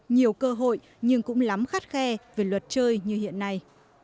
nhiều cơ hội nhưng cũng lắm khắt khe về luật chơi như hiện nay